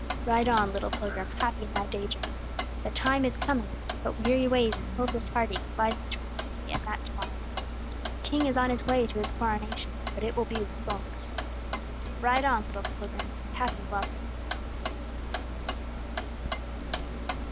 Ride on, little pilgrim, happy in thy day dreams! The time is coming; but weary ways and hopeless heart aches lie between thee and that to morrow. The king is on his way to his coronation, but it will be with thorns. Ride on, little pilgrim, be happy whilst thou can!